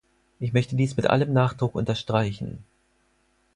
Ich möchte dies mit allem Nachdruck unterstreichen.